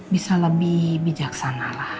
bisa lebih bijaksana lah